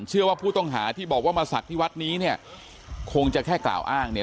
เชื่อว่าผู้ต้องหาที่บอกว่ามาศักดิ์ที่วัดนี้เนี่ยคงจะแค่กล่าวอ้างเนี่ย